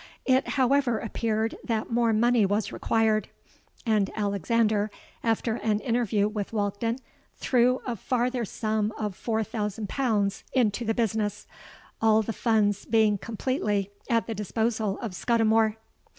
It however appeared that more money was required; and Alexander, after an interview with Walkden, threw a farther sum of four thousand pounds into the business, all the funds being completely at the disposal of Scudimore.